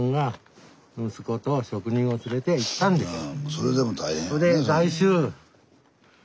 それでも大変やね。